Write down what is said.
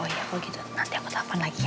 oh iya kalau gitu nanti aku telfon lagi ya